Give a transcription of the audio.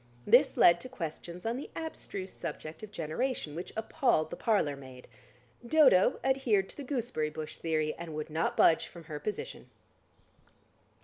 This led to questions on the abstruse subject of generation which appalled the parlour maid. Dodo adhered to the gooseberry bush theory, and would not budge from her position.